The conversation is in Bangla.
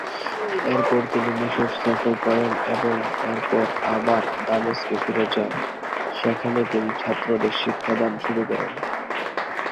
এরপর তিনি মিশর সফর করেন এবং এরপর আবার দামেস্কে ফিরে যান, সেখানে তিনি ছাত্রদের শিক্ষাদান শুরু করেন।